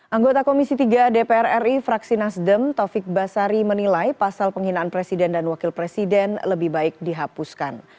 anggota komisi tiga dpr ri fraksi nasdem taufik basari menilai pasal penghinaan presiden dan wakil presiden lebih baik dihapuskan